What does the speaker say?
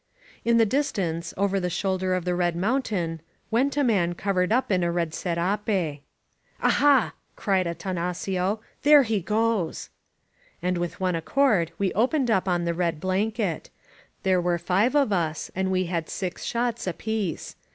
In tfie distance, over the shoulder of the red moun tain, went a man covered up in a red serape. "Aha !" cried Atanacio. "There he goes !" And with one accord we opened up on the red blanket. There were five of us, and we had six shots apiece.